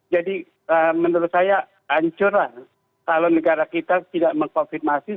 jadi menurut saya hancurlah kalau negara kita tidak meng covid masih